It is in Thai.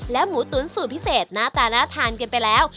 หมูตุ๋นสูตรพิเศษหน้าตาน่าทานกันไปแล้ว